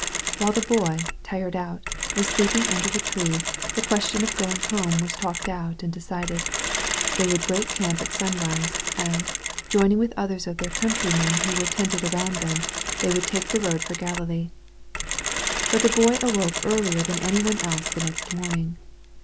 While the Boy, tired out, was sleep ing under the tree, the question of going home was talked out and decided. They would break camp at simrise, and, joining with others of their country men who were tented around them, they would take the road for Galilee. But the Boy awoke earlier than any one else the next morning.